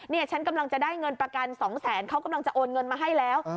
ฉันกำลังจะได้เงินประกัน๒แสนเขากำลังจะโอนเงินมาให้แล้ว